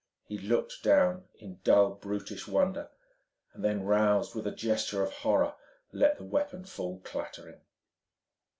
He looked down in dull brutish wonder, then roused and with a gesture of horror let the weapon fall clattering.